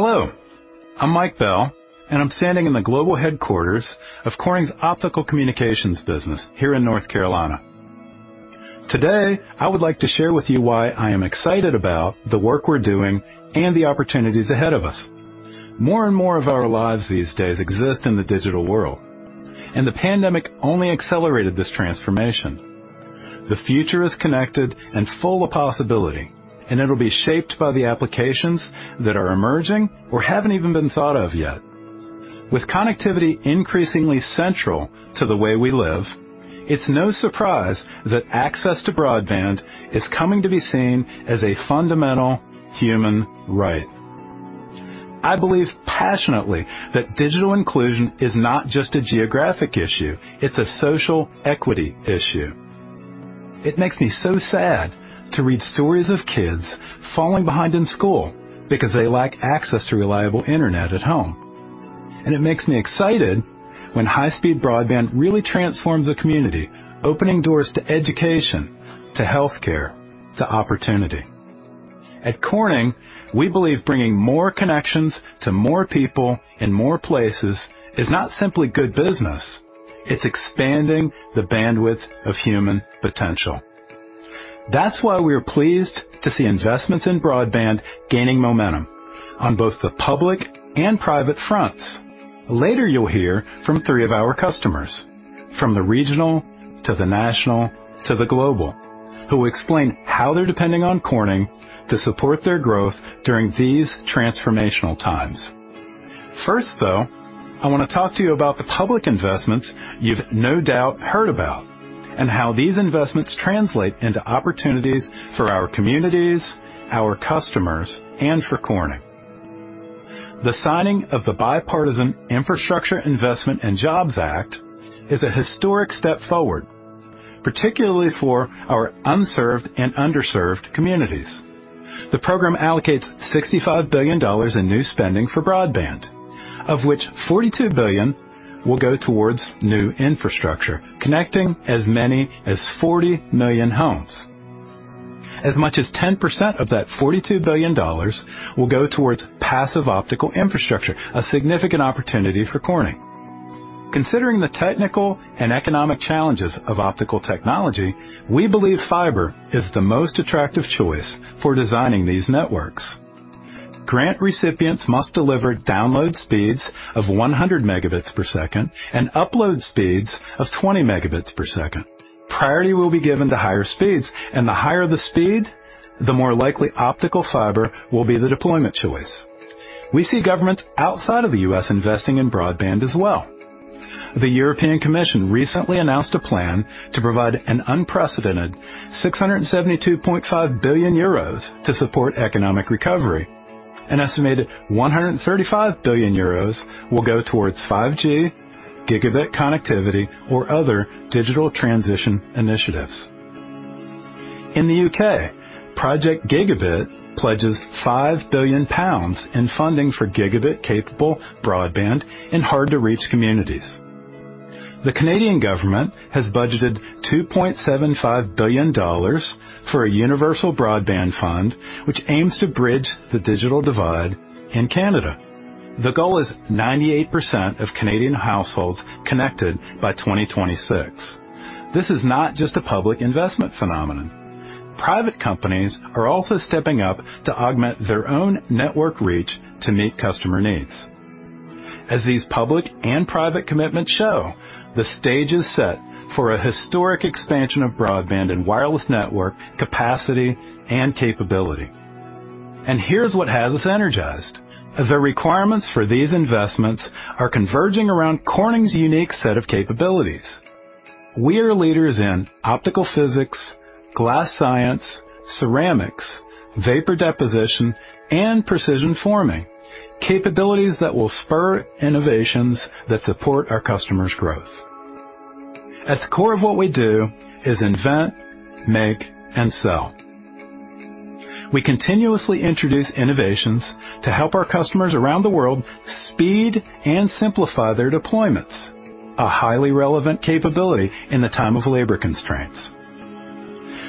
Hello, I'm Mike Bell, and I'm standing in the global headquarters of Corning's Optical Communications business here in North Carolina. Today, I would like to share with you why I am excited about the work we're doing and the opportunities ahead of us. More and more of our lives these days exist in the digital world, and the pandemic only accelerated this transformation. The future is connected and full of possibility, and it'll be shaped by the applications that are emerging or haven't even been thought of yet. With connectivity increasingly central to the way we live, it's no surprise that access to broadband is coming to be seen as a fundamental human right. I believe passionately that digital inclusion is not just a geographic issue, it's a social equity issue. It makes me so sad to read stories of kids falling behind in school because they lack access to reliable internet at home. It makes me excited when high-speed broadband really transforms a community, opening doors to education, to healthcare, to opportunity. At Corning, we believe bringing more connections to more people in more places is not simply good business, it's expanding the bandwidth of human potential. That's why we are pleased to see investments in broadband gaining momentum on both the public and private fronts. Later you'll hear from three of our customers, from the regional to the national to the global, who will explain how they're depending on Corning to support their growth during these transformational times. First, though, I wanna talk to you about the public investments you've no doubt heard about, and how these investments translate into opportunities for our communities, our customers, and for Corning. The signing of the Bipartisan Infrastructure Investment and Jobs Act is a historic step forward, particularly for our unserved and underserved communities. The program allocates $65 billion in new spending for broadband, of which $42 billion will go towards new infrastructure, connecting as many as 40 million homes. As much as 10% of that $42 billion will go towards passive optical infrastructure, a significant opportunity for Corning. Considering the technical and economic challenges of optical technology, we believe fiber is the most attractive choice for designing these networks. Grant recipients must deliver download speeds of 100 megabits per second and upload speeds of 20 Mbps. Priority will be given to higher speeds, and the higher the speed, the more likely optical fiber will be the deployment choice. We see governments outside of the U.S. investing in broadband as well. The European Commission recently announced a plan to provide an unprecedented 672.5 billion euros to support economic recovery. An estimated 135 billion euros will go towards 5G, gigabit connectivity or other digital transition initiatives. In the U.K., Project Gigabit pledges 5 billion pounds in funding for gigabit-capable broadband in hard-to-reach communities. The Canadian government has budgeted 2.75 billion dollars for a Universal Broadband Fund, which aims to bridge the digital divide in Canada. The goal is 98% of Canadian households connected by 2026. This is not just a public investment phenomenon. Private companies are also stepping up to augment their own network reach to meet customer needs. As these public and private commitments show, the stage is set for a historic expansion of broadband and wireless network capacity and capability. Here's what has us energized. The requirements for these investments are converging around Corning's unique set of capabilities. We are leaders in optical physics, glass science, ceramics, vapor deposition, and precision forming, capabilities that will spur innovations that support our customers' growth. At the core of what we do is invent, make, and sell. We continuously introduce innovations to help our customers around the world speed and simplify their deployments, a highly relevant capability in the time of labor constraints.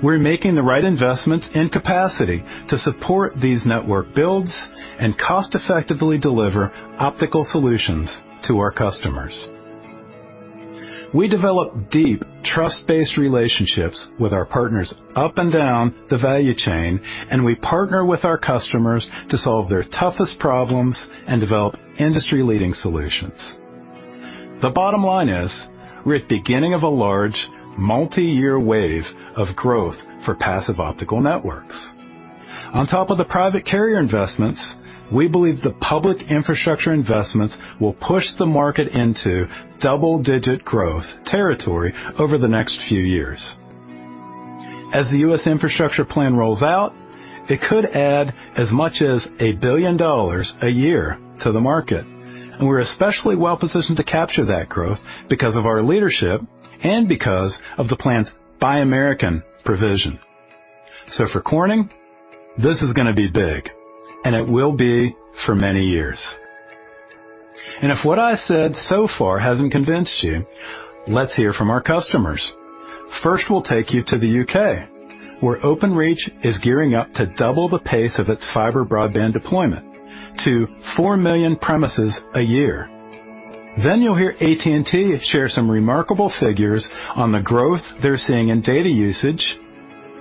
We're making the right investments and capacity to support these network builds and cost-effectively deliver optical solutions to our customers. We develop deep, trust-based relationships with our partners up and down the value chain, and we partner with our customers to solve their toughest problems and develop industry-leading solutions. The bottom line is, we're at beginning of a large multi-year wave of growth for passive optical networks. On top of the private carrier investments, we believe the public infrastructure investments will push the market into double-digit growth territory over the next few years. As the U.S. infrastructure plan rolls out, it could add as much as $1 billion a year to the market, and we're especially well-positioned to capture that growth because of our leadership and because of the plan's Buy America provision. So for Corning, this is gonna be big, and it will be for many years. If what I said so far hasn't convinced you, let's hear from our customers. First, we'll take you to the U.K., where Openreach is gearing up to double the pace of its fiber broadband deployment to 4 million premises a year. You'll hear AT&T share some remarkable figures on the growth they're seeing in data usage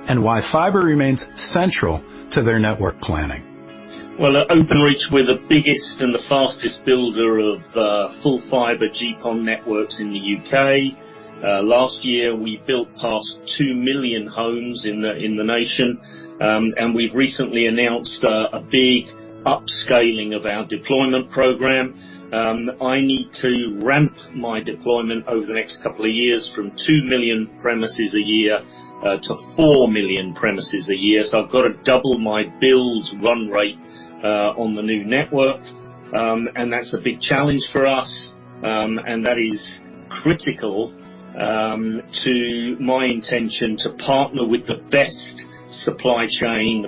and why fiber remains central to their network planning. Well, at Openreach, we're the biggest and the fastest builder of full fiber GPON networks in the U.K. Last year, we built past 2 million homes in the nation. We've recently announced a big upscaling of our deployment program. I need to ramp my deployment over the next couple of years from 2 million premises a year to 4 million premises a year. I've got to double my build run rate on the new network. That's a big challenge for us. That is critical to my intention to partner with the best supply chain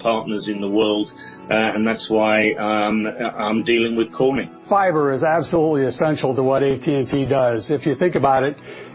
partners in the world. That's why I'm dealing with Corning. Fiber is absolutely essential to what AT&T does. If you think about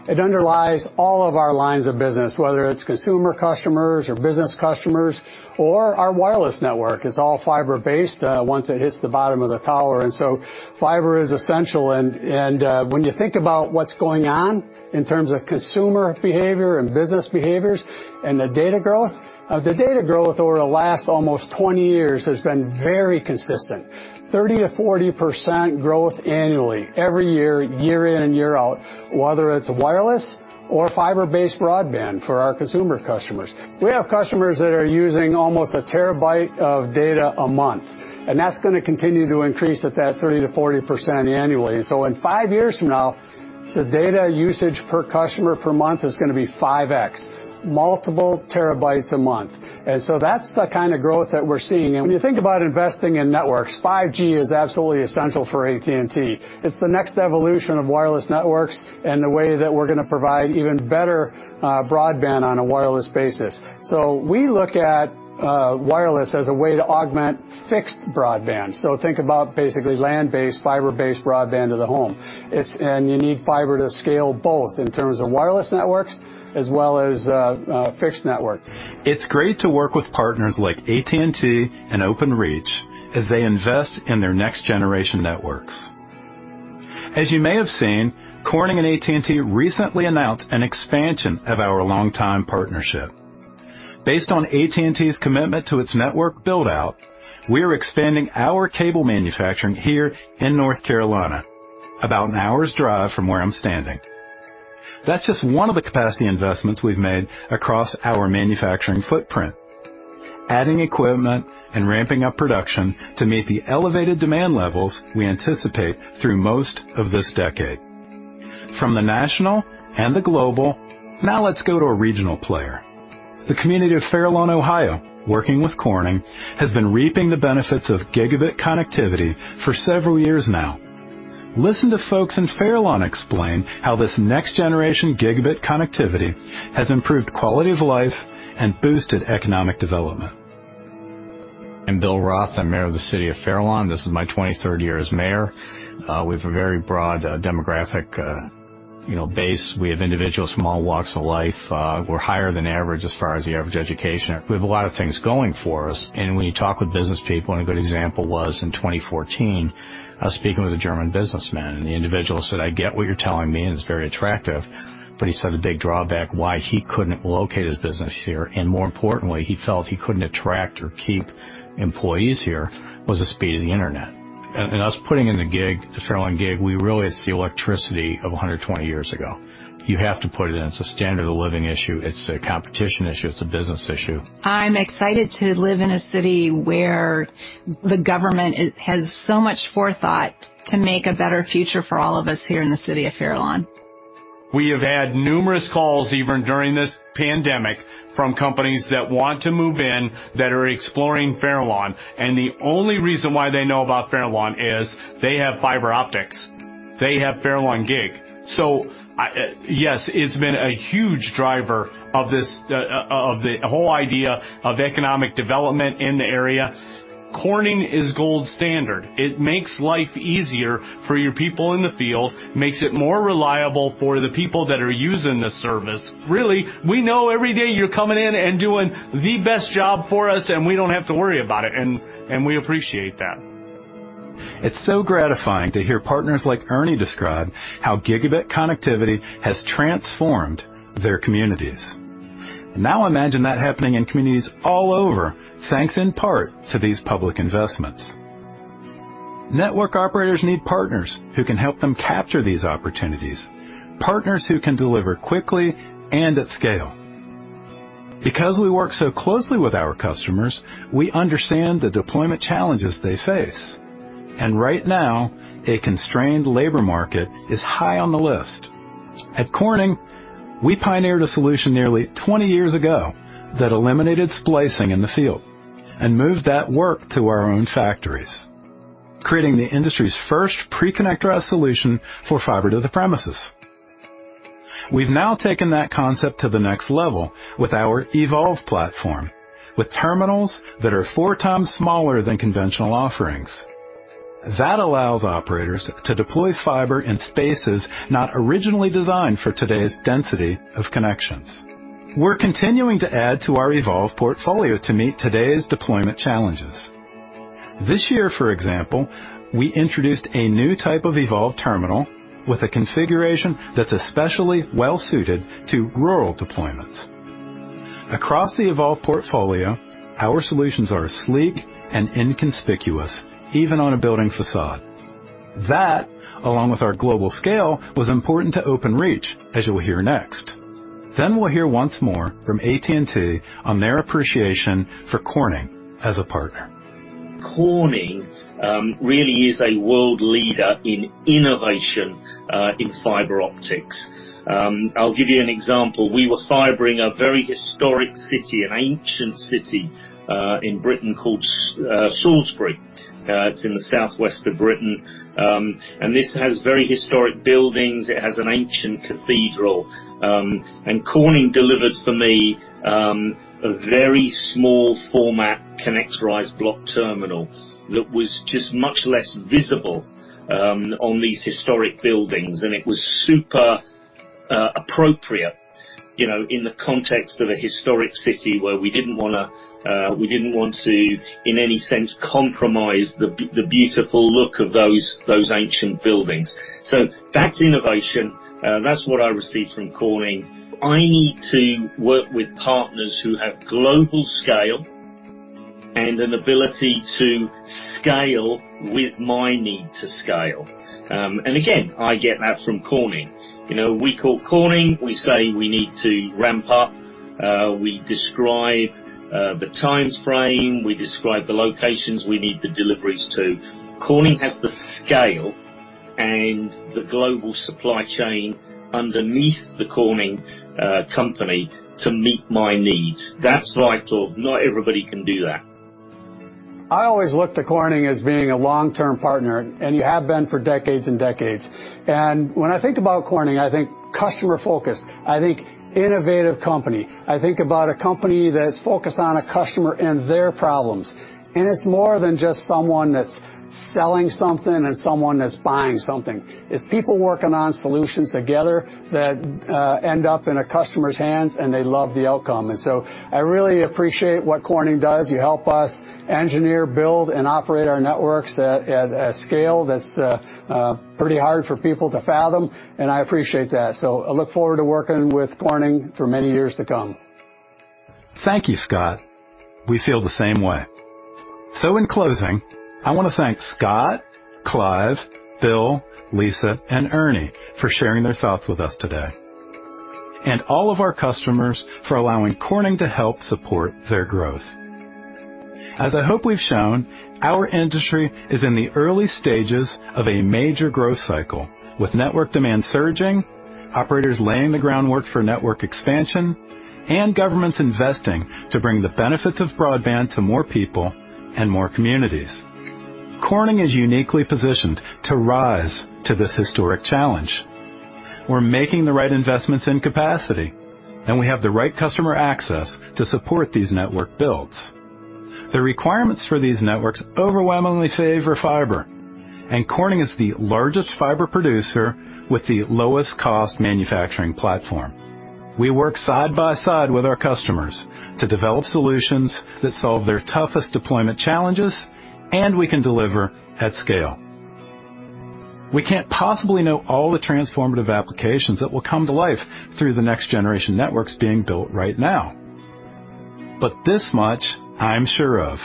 it underlies all of our lines of business, whether it's consumer customers or business customers or our wireless network. It's all fiber-based, once it hits the bottom of the tower, and so fiber is essential. When you think about what's going on in terms of consumer behavior and business behaviors and the data growth, the data growth over the last almost 20 years has been very consistent, 30%-40% growth annually every year in and year out, whether it's wireless or fiber-based broadband for our consumer customers. We have customers that are using almost a terabyte of data a month, and that's gonna continue to increase at that 30%-40% annually. In five years from now, the data usage per customer per month is gonna be 5x, multiple terabytes a month. That's the kind of growth that we're seeing. When you think about investing in networks, 5G is absolutely essential for AT&T. It's the next evolution of wireless networks and the way that we're gonna provide even better broadband on a wireless basis. We look at wireless as a way to augment fixed broadband. Think about basically land-based, fiber-based broadband to the home, and you need fiber to scale both in terms of wireless networks as well as fixed network. It's great to work with partners like AT&T and Openreach as they invest in their next-generation networks. As you may have seen, Corning and AT&T recently announced an expansion of our longtime partnership. Based on AT&T's commitment to its network build-out, we are expanding our cable manufacturing here in North Carolina, about an hour's drive from where I'm standing. That's just one of the capacity investments we've made across our manufacturing footprint, adding equipment and ramping up production to meet the elevated demand levels we anticipate through most of this decade. From the national and the global, now let's go to a regional player. The community of Fairlawn, Ohio, working with Corning, has been reaping the benefits of gigabit connectivity for several years now. Listen to folks in Fairlawn explain how this next-generation gigabit connectivity has improved quality of life and boosted economic development. I'm Bill Roth. I'm Mayor of the City of Fairlawn. This is my 23rd year as mayor. We have a very broad demographic, you know, base. We have individuals from all walks of life. We're higher than average as far as the average education. We have a lot of things going for us. When you talk with business people, a good example was in 2014, speaking with a German businessman, and the individual said, "I get what you're telling me, and it's very attractive." But he said a big drawback why he couldn't locate his business here, and more importantly, he felt he couldn't attract or keep employees here, was the speed of the Internet. Us putting in the gig, the FairlawnGig, it's really the electricity of 120 years ago. You have to put it in. It's a standard of living issue. It's a competition issue. It's a business issue. I'm excited to live in a city where the government has so much forethought to make a better future for all of us here in the City of Fairlawn. We have had numerous calls even during this pandemic from companies that want to move in that are exploring Fairlawn, and the only reason why they know about Fairlawn is they have fiber optics. They have FairlawnGig. I, yes, it's been a huge driver of this, of the whole idea of economic development in the area. Corning is gold standard. It makes life easier for your people in the field, makes it more reliable for the people that are using the service. Really, we know every day you're coming in and doing the best job for us, and we don't have to worry about it, and we appreciate that. It's so gratifying to hear partners like Ernie describe how gigabit connectivity has transformed their communities. Now imagine that happening in communities all over, thanks in part to these public investments. Network operators need partners who can help them capture these opportunities, partners who can deliver quickly and at scale. Because we work so closely with our customers, we understand the deployment challenges they face. Right now, a constrained labor market is high on the list. At Corning, we pioneered a solution nearly 20 years ago that eliminated splicing in the field and moved that work to our own factories, creating the industry's first pre-connectorized solution for fiber to the premises. We've now taken that concept to the next level with our Evolv platform, with terminals that are 4 times smaller than conventional offerings. That allows operators to deploy fiber in spaces not originally designed for today's density of connections. We're continuing to add to our Evolv portfolio to meet today's deployment challenges. This year, for example, we introduced a new type of Evolv terminal with a configuration that's especially well-suited to rural deployments. Across the Evolv portfolio, our solutions are sleek and inconspicuous, even on a building façade. That, along with our global scale, was important to Openreach, as you will hear next. We'll hear once more from AT&T on their appreciation for Corning as a partner. Corning really is a world leader in innovation in fiber optics. I'll give you an example. We were fibering a very historic city, an ancient city in Britain called Salisbury. It's in the southwest of Britain. This has very historic buildings. It has an ancient cathedral. Corning delivered for me a very small format Evolv block terminal that was just much less visible on these historic buildings, and it was super appropriate, you know, in the context of a historic city where we didn't want to in any sense compromise the beautiful look of those ancient buildings. That's innovation. That's what I received from Corning. I need to work with partners who have global scale and an ability to scale with my need to scale. I get that from Corning. You know, we call Corning, we say we need to ramp up. We describe the locations we need the deliveries to. Corning has the scale and the global supply chain underneath the Corning company to meet my needs. That's vital. Not everybody can do that. I always looked to Corning as being a long-term partner, and you have been for decades and decades. When I think about Corning, I think customer focus, I think innovative company. I think about a company that's focused on a customer and their problems. It's more than just someone that's selling something and someone that's buying something. It's people working on solutions together that end up in a customer's hands, and they love the outcome. I really appreciate what Corning does. You help us engineer, build, and operate our networks at a scale that's pretty hard for people to fathom, and I appreciate that. I look forward to working with Corning for many years to come. Thank you, Scott. We feel the same way. In closing, I want to thank Scott, Clive, Bill, Lisa, and Ernie for sharing their thoughts with us today, all of our customers for allowing Corning to help support their growth. As I hope we've shown, our industry is in the early stages of a major growth cycle, with network demand surging, operators laying the groundwork for network expansion, and governments investing to bring the benefits of broadband to more people and more communities. Corning is uniquely positioned to rise to this historic challenge. We're making the right investments in capacity, and we have the right customer access to support these network builds. The requirements for these networks overwhelmingly favor fiber, and Corning is the largest fiber producer with the lowest cost manufacturing platform. We work side by side with our customers to develop solutions that solve their toughest deployment challenges, and we can deliver at scale. We can't possibly know all the transformative applications that will come to life through the next-generation networks being built right now. This much I'm sure of: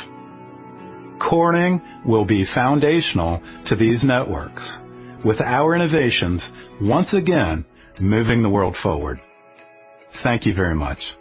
Corning will be foundational to these networks with our innovations once again moving the world forward. Thank you very much.